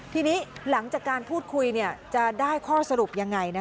ทีนี้หลังจากการพูดคุยจะได้ข้อสรุปยังไง